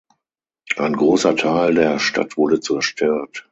Ein großer Teil der Stadt wurde zerstört.